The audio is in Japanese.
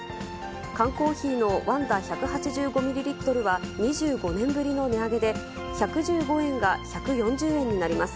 缶コーヒーのワンダ１８５ミリリットルは２５年ぶりの値上げで、１１５円が１４０円になります。